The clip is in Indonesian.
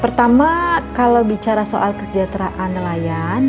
pertama kalau bicara soal kesejahteraan nelayan